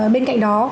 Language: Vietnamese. bên cạnh đó